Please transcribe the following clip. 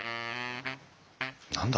何だ？